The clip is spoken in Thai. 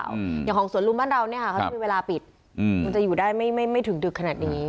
อย่างของสวนลุมบ้านเราเนี้ยค่ะเขาจะมีเวลาปิดอืมมันจะอยู่ได้ไม่ไม่ถึงดึกขนาดนี้